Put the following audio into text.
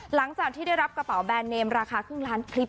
หลังจากที่ได้รับกระเป๋าแบรนดเนมราคาครึ่งล้านคลิป